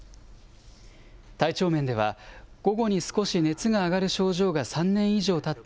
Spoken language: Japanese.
体調面では、午後に少し熱が上がる症状が３年以上たった